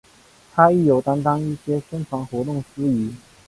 她亦有担任一些宣传活动司仪。